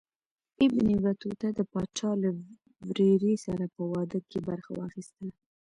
ابن بطوطه د پاچا له ورېرې سره په واده کې برخه واخیستله.